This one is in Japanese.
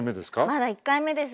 まだ１回目です。